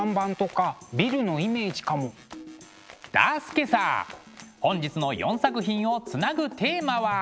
だすけさ本日の４作品をつなぐテーマは。